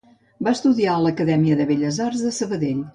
Va estudiar a l'Acadèmia de Belles Arts de Sabadell.